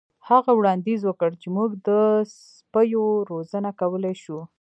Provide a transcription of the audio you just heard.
هغه وړاندیز وکړ چې موږ د سپیو روزنه کولی شو